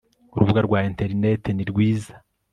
urubuga rwa interinete nirwiza